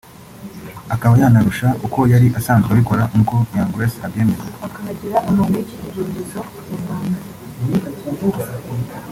akaba yanarusha uko yari asanzwe abikora nk’uko Young Grace abyemeza